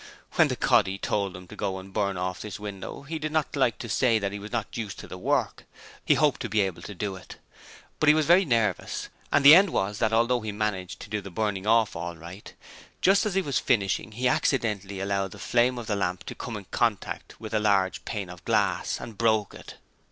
When the 'coddy' told him to go and burn off this window he did not like to say that he was not used to the work: he hoped to be able to do it. But he was very nervous, and the end was that although he managed to do the burning off all right, just as he was finishing he accidentally allowed the flame of the lamp to come into contact with a large pane of glass and broke it.